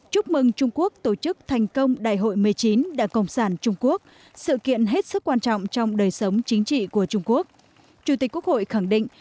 chủ tịch quốc hội nguyễn thị kim ngân hoan nghênh tổng bí thư chủ tịch nước tập cận bình